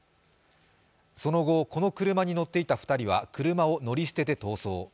その後、この車に乗っていた２人は車を乗り捨てて逃走。